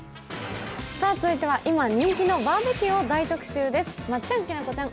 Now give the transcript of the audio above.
続いては今人気のバーベキューを大特集です。